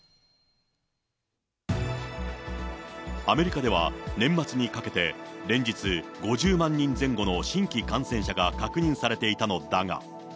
アメリカでは年末にかけて、連日、５０万人前後の新規感染者が確認されていたのだが。